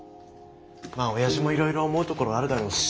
まあ親父もいろいろ思うところあるだろうし。